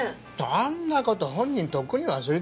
そんな事本人とっくに忘れてるよ。